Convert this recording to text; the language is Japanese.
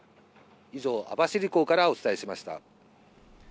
以上、網走港からお伝えしました。